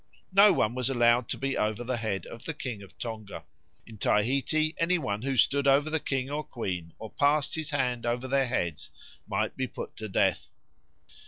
No one was allowed to be over the head of the king of Tonga. In Tahiti any one who stood over the king or queen, or passed his hand over their heads, might be put to death.